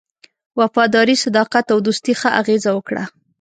وفاداري، صداقت او دوستی ښه اغېزه وکړه.